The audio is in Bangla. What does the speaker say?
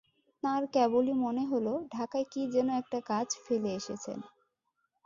তাঁর কেবলি মনে হল, ঢাকায় কী যেন একটা কাজ ফেলে এসেছেন।